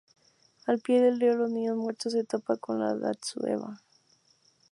Al pie del río, los niños muertos se topa con la Datsue-ba.